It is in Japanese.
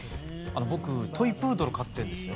僕トイプードルを飼ってるんですよ。